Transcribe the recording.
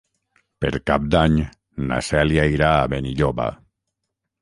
Per Cap d'Any na Cèlia irà a Benilloba.